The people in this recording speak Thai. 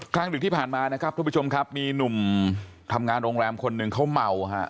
ดึกที่ผ่านมานะครับทุกผู้ชมครับมีหนุ่มทำงานโรงแรมคนหนึ่งเขาเมาฮะ